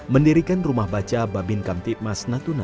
mendirikan rumah baca babin kamtipmas natuna